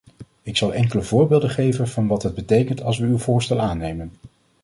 Ik zal enkele voorbeelden geven van wat het betekent als we uw voorstel aannemen.